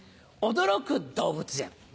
「驚く動物園」。